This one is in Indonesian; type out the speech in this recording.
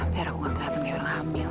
biar aku gak kelihatan kayak orang hamil